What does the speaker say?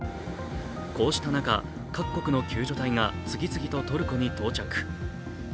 こうした中、各国の救助隊が次々とトルコに到着。